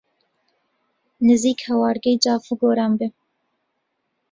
نزیک هەوارگەی جاف و گۆران بێ